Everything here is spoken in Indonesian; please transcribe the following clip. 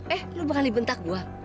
eh lu berani bentak gua